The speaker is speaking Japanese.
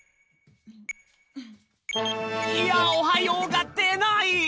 いや「おはよう」がでない！